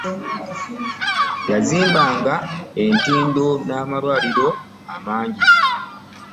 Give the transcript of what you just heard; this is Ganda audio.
Yazimbanga entindo n'amalwaliro amangi.